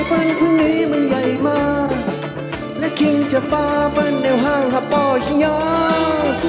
เพลงนี้มันใหญ่มากและคริ่งเจ้าฟ้ามันแนวห้างหับบ่อยยังยัง